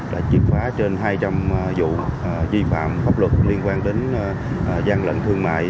đã chiếp phá trên hai trăm linh vụ vi phạm pháp luật liên quan đến gian lệnh thương mại